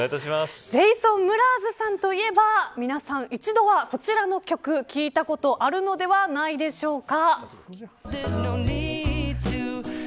ジェイソン・ムラーズさんといえば皆さん、一度はこちらの曲聞いたことあるのではないでしょうか。